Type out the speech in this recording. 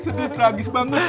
sedih tragis banget